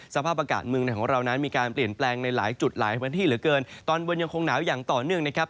สภาพอากาศเมืองไหนของเรานั้นมีการเปลี่ยนแปลงในหลายจุดหลายพื้นที่เหลือเกินตอนบนยังคงหนาวอย่างต่อเนื่องนะครับ